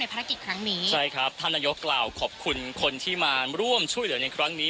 ภารกิจครั้งนี้ใช่ครับท่านนายกกล่าวขอบคุณคนที่มาร่วมช่วยเหลือในครั้งนี้